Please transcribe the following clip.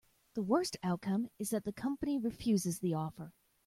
The worst outcome is that the company refuses the offer.